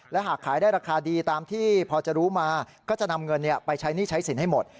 และหากขายได้ราคาดีตามที่พอจะรู้มาก็จะนำเงินไปใช้หนี้ใช้สินให้หมด